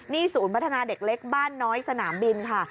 นี่ศูนย์พัฒนาเด็กเล็กบ้านน้อยสนามบินค่ะ